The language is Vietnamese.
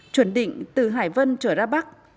chuẩn định từ hải vân trở ra bắc